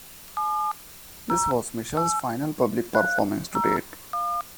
This was Mitchell's final public performance to date.